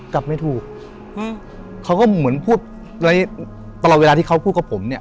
กลับไม่ถูกฮะเขาก็เหมือนพูดไว้ตลอดเวลาที่เขาพูดกับผมเนี่ย